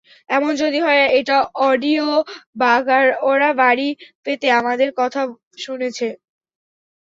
এমন যদি হয় এটা অডিয়ো বাগ আর ওরা আড়ি পেতে আমাদের কথা শুনছে?